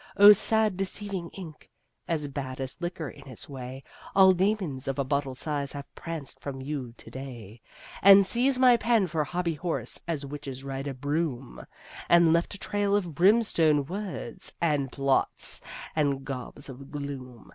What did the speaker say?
O sad deceiving ink, as bad as liquor in its way All demons of a bottle size have pranced from you to day, And seized my pen for hobby horse as witches ride a broom, And left a trail of brimstone words and blots and gobs of gloom.